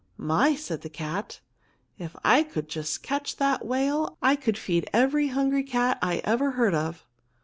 "My," said the cat, "if I could just catch that whale, I could feed every hungry cat I ever heard of."